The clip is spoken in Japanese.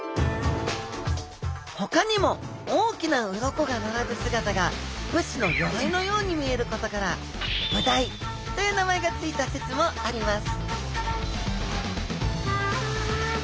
ほかにも大きな鱗が並ぶ姿が武士のよろいのように見えることから武鯛という名前が付いた説もあります